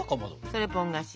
それポン菓子。